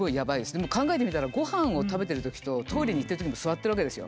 でも考えてみたらごはんを食べてるときとトイレに行ってるときも座ってるわけですよ。